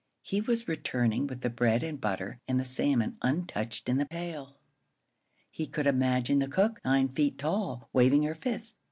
He was returning with the bread and butter and the salmon untouched in the pail! He could imagine the cook, nine feet tall, waving her fist.